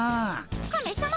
カメさま。